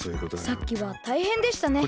さっきはたいへんでしたね。